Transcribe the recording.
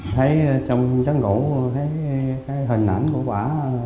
thấy trong trắng ngủ thấy cái hình ảnh của bà